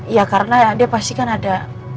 ya karena dia pasti kan ada